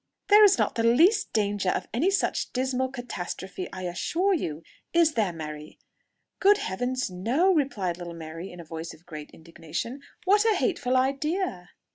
"There is not the least danger of any such dismal catastrophe, I assure you. Is there Mary?" "Good heavens, no!" replied little Mary in a voice of great indignation. "What a hateful idea!"